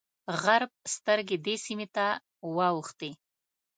غرب سترګې دې سیمې ته واوښتې.